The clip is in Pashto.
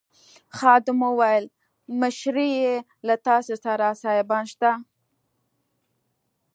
خادم وویل مشرې له تاسي سره سایبان شته.